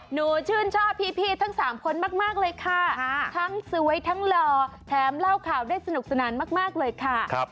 หนูชื่นชอบพี่ทั้ง๓คนมากเลยค่ะทั้งสวยทั้งหล่อแถมเล่าข่าวได้สนุกสนานมากเลยค่ะ